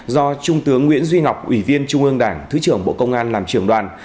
do trung tướng nguyễn duy ngọc ủy viên trung ương đảng thứ trưởng bộ công an làm trưởng đoàn